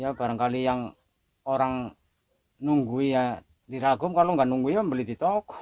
ya barangkali yang orang nunggu ya diragum kalau nggak nunggu ya beli di toko